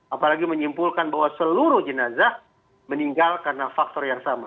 apalagi menyimpulkan bahwa seluruh jenazah meninggal karena faktor yang sama